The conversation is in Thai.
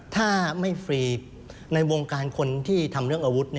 ถ้าไม่ฟรีในวงการคนที่ทำเรื่องอาวุธ